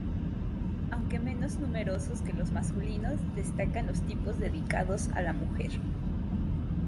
Aunque menos numerosos que los masculinos, destacan los tipos dedicados a la mujer.